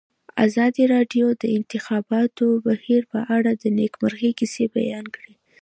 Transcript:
ازادي راډیو د د انتخاباتو بهیر په اړه د نېکمرغۍ کیسې بیان کړې.